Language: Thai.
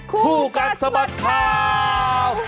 ครูกัลสมบัติเคาร์